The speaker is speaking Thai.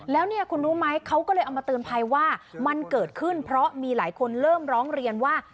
แล้วเนี่ยคุณรู้ไหมเขาก็เลยเอามาเตือนภัยว่ามันเกิดขึ้นเพราะมีหลายคนเริ่มร้องเรียนว่า